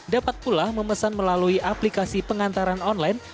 dapat pula memesan melalui aplikasi pengantaran online